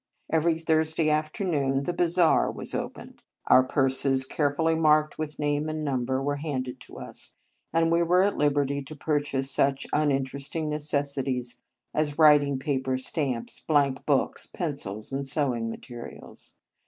Every Thursday afternoon the " Bazaar" was opened; our purses, carefully marked 32 Marianus with name and number, were handed to. us, and we were at liberty to pur chase such uninteresting necessities as writing paper, stamps, blank books, pencils, and sewing materials.